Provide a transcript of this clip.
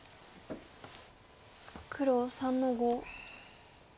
黒３の五。